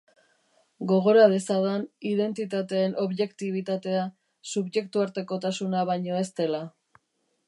Gogora dezadan, identitateen objektibitatea subjektuartekotasuna baino ez dela.